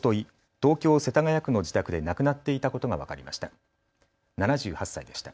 東京世田谷区の自宅で亡くなっていたことが分かりました。